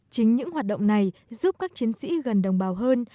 chính những hoạt động này giúp các chiến sĩ gần đồng bào hơn